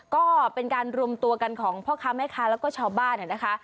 ก็เป็นการรวมตัวกันของพ่อค้าแม่ค้าแล้วก็ชาวบ้านนะคะ